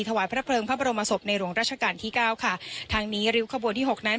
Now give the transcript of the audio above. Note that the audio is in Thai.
ถวายพระเพลิงพระบรมศพในหลวงราชการที่เก้าค่ะทางนี้ริ้วขบวนที่หกนั้น